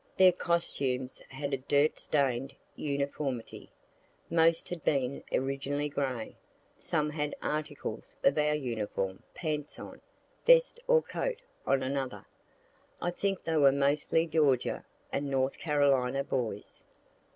Their costumes had a dirt stain'd uniformity; most had been originally gray; some had articles of our uniform, pants on one, vest or coat on another; I think they were mostly Georgia and North Carolina boys.